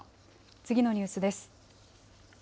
次のニュースです。